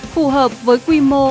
phù hợp với quy mô